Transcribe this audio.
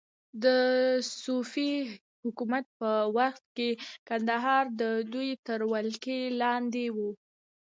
د صفوي حکومت په وخت کې کندهار د دوی تر ولکې لاندې و.